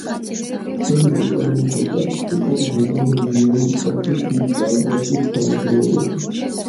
შედის ეკონომიკურ-სტატისტიკურ მიკრორეგიონ პოსუს-დი-კალდასის შემადგენლობაში.